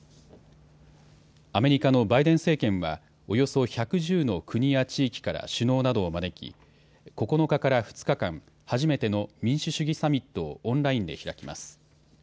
アメリカのバイデン政権はおよそ１１０の国や地域から首脳などを招き９日から２日間、初めての民主主義サミットをオンラインで開きます。